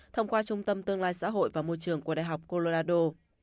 thông qua trung tâm tương lai xã hội và môi trường của đại học colorado